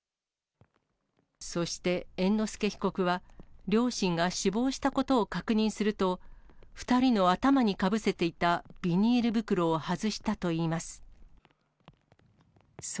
そして、猿之助被告は、両親が死亡したことを確認すると、２人の頭にかぶせていたビニール袋を外したといいます。